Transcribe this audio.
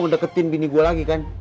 lo mau deketin bini gue lagi kan